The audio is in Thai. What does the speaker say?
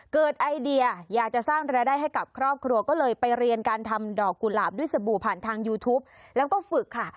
ไอเดียอยากจะสร้างรายได้ให้กับครอบครัวก็เลยไปเรียนการทำดอกกุหลาบด้วยสบู่ผ่านทางยูทูปแล้วก็ฝึกค่ะ